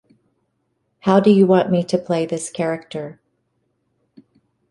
How do you want me to play this character?